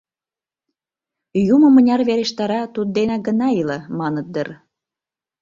Юмо мыняр верештара, тудденак гына иле», — маныт дыр.